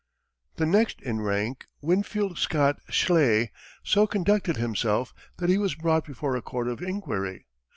The next in rank, Winfield Scott Schley, so conducted himself that he was brought before a court of inquiry.